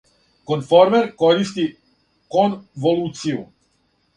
Конформер користи конволуцију.